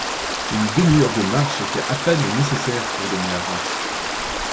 Une demi-heure de marche était à peine nécessaire pour gagner Arras.